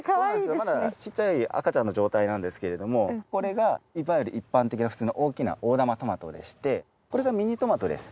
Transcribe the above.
まだ小さい赤ちゃんの状態なんですけれどもこれがいわゆる一般的な大きな大玉トマトでしてこれがミニトマトです。